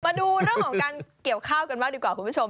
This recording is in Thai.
มาดูเรื่องของการเกี่ยวข้าวกันบ้างดีกว่าคุณผู้ชม